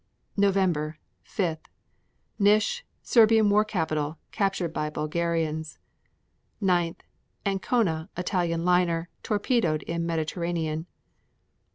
November 5. Nish, Serbian war capital, captured by Bulgarians. 9. Ancona, Italian liner, torpedoed in Mediterranean.